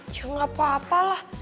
ya gak apa apa lah